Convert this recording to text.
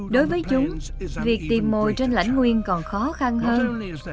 đối với chúng việc tìm mồi trên lãnh nguyên còn khó khăn hơn